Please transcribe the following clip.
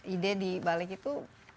ide di balik itu